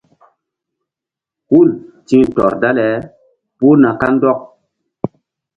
Hul ti̧h tɔr dale puh na kandɔk.